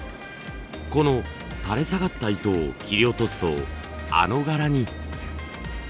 この垂れ下がった糸を切り落とすとあの柄に。